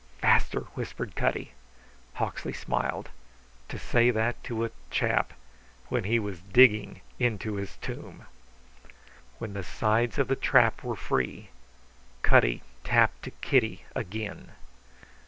"Faster!" whispered Cutty. Hawksley smiled. To say that to a chap when he was digging into his tomb! When the sides of the trap were free Cutty tapped to Kitty again.